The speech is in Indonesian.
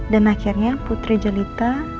dan akhirnya putri jelita